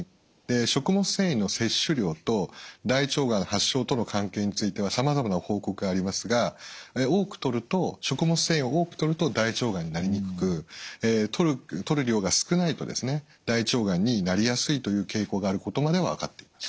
食物繊維の摂取量と大腸がん発症との関係についてはさまざまな報告がありますが食物繊維を多くとると大腸がんになりにくくとる量が少ないと大腸がんになりやすいという傾向があることまでは分かっています。